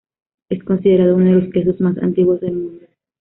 Es considerado uno de los quesos más antiguos del mundo.